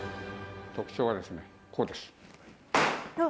特徴はですね、こうです。